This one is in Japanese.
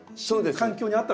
そうです。